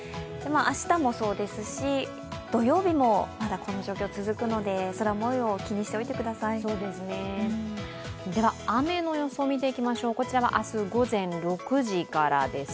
明日もそうですし、土曜日もまだこの状況続くので空もよう、気にしておいてくださいでは雨の予想、見ていきましょうこれは明日午前６時からです。